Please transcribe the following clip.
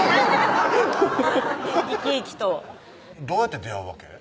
フフフッ生き生きとどうやって出会うわけ？